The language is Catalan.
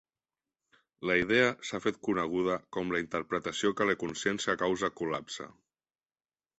La idea s'ha fet coneguda com la interpretació que la consciència causa col·lapse.